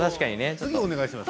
次、お願いします。